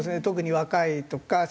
特に若いとか。